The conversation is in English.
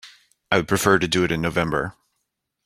I would prefer to do it in November.